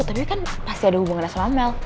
tapi kan pasti ada hubungannya sama